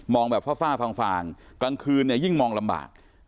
แบบฟ้าฟางกลางคืนเนี่ยยิ่งมองลำบาก